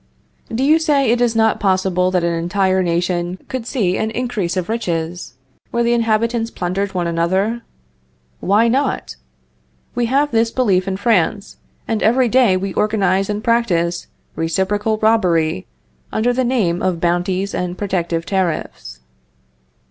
Do you say, it is not possible that an entire nation could see an increase of riches where the inhabitants plundered one another? Why not? We have this belief in France, and every day we organize and practice reciprocal robbery under the name of bounties and protective tariffs.